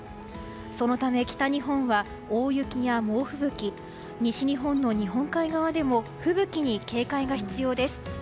そのため北日本は大雪や猛吹雪西日本の日本海側でも吹雪に警戒が必要です。